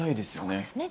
そうですね。